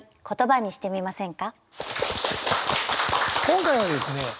今回はですね